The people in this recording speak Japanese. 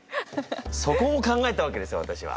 そこも考えたわけですよわたしは。